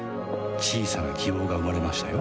小さな希望が生まれましたよ